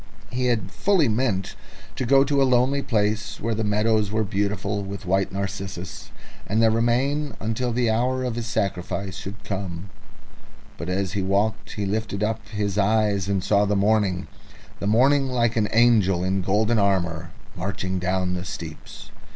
He had fully meant to go to a lonely place where the meadows were beautiful with white narcissus, and there remain until the hour of his sacrifice should come, but as he went he lifted up his eyes and saw the morning, the morning like an angel in golden armour, marching down the steeps...